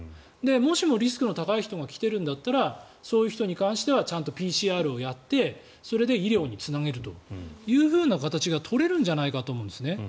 もしもリスクの高い人が来てるんだったらそういう人に関してはちゃんとＰＣＲをやってそれで医療につなげるという形が取れるんじゃないかなと思うんですね。